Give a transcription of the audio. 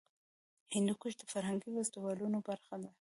هندوکش د فرهنګي فستیوالونو برخه ده.